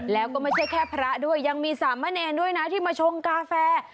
แล้วก็ไม่ใช่แค่พระด้วยยังมีสามเณรด้วยนะที่มาชงกาแฟ